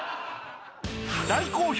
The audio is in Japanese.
［大好評！